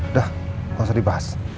udah gak usah dibahas